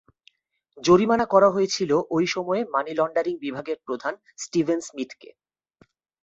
জরিমানা করা হয়েছিল ওই সময়ে মানি লন্ডারিং বিভাগের প্রধান স্টিভেন স্মিথকে।